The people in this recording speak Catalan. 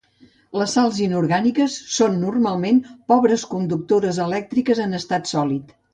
Les sals inorgàniques són normalment pobres conductores elèctriques en estat sòlid.